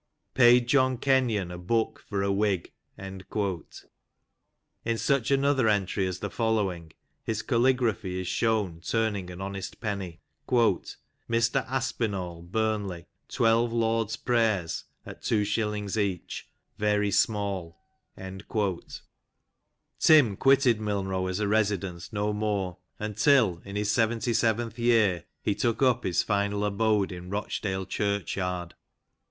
" Paid John Kenyon, a book for a wig." In such another entry as the fol lowing, his caligraphy is shown turning an honest penny: " Mr Aspinall, Burnley, — 1 2 Lord's Prayers at 2s. each, very stnall." Tim quitted Milnrow as a residence no more, until, in his 77 th year, he took up his final abode in Rochdale Church yard.